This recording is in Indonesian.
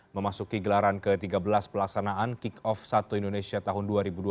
memasuki gelaran ke tiga belas pelaksanaan kick off satu indonesia tahun dua ribu dua puluh